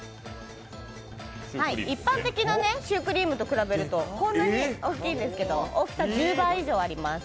一般的なシュークリームと比べるとこんなに大きいんですけど大きさ１０倍以上あります。